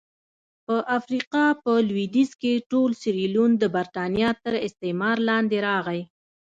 په افریقا په لوېدیځ کې ټول سیریلیون د برېټانیا تر استعمار لاندې راغی.